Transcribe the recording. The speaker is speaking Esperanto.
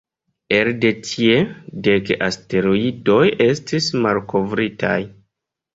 Elde tie, dek asteroidoj estis malkovritaj.